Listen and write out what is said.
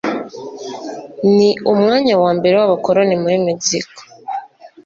Ni umwanya wa mbere w’abakoloni muri Mexico,